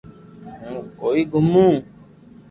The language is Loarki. ھون ڪوئي گومو